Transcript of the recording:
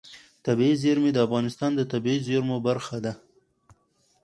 طبیعي زیرمې د افغانستان د طبیعي زیرمو برخه ده.